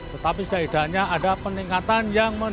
tetapi seidahnya ada peningkatan yang mendorong